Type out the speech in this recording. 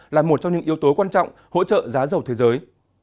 là một trong những yếu tố quan trọng hỗ trợ giá dầu thế giới